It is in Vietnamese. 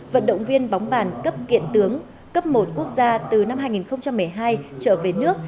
vận động viên bóng bàn cấp kiện tướng cấp một quốc gia từ năm hai nghìn một mươi hai trở về nước